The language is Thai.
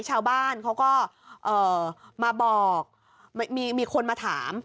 ชาวบ้านเขาก็มาบอกมีคนมาถาม